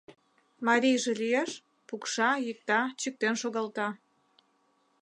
Марийже лиеш — пукша-йӱкта, чиктен шогалта.